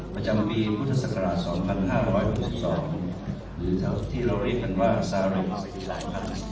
ประจำปีพุทธศักราช๒๕๖๒หรือเท่าที่เราเรียกกันว่าสาริสที่๓๙